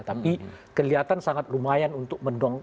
tapi kelihatan sangat lumayan untuk mendong